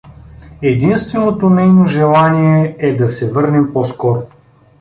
Единственото нейно желание е да се върнем по-скоро.